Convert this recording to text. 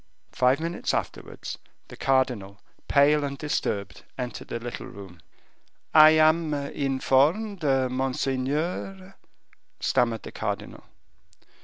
Five minutes afterwards, the cardinal, pale and disturbed, entered the little room. "I am informed, monseigneur, " stammered the cardinal.